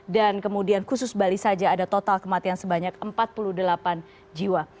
dan kemudian khusus bali saja ada total kematian sebanyak empat puluh delapan jiwa